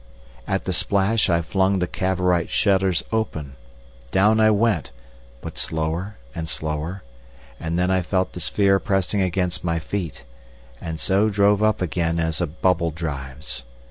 At the splash I flung the Cavorite shutters open. Down I went, but slower and slower, and then I felt the sphere pressing against my feet, and so drove up again as a bubble drives.